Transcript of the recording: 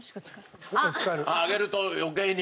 揚げると余計に。